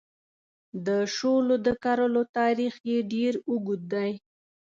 د شولو د کرلو تاریخ یې ډېر اوږد دی.